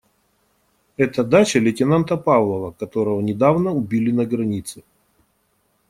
Это дача лейтенанта Павлова, которого недавно убили на границе.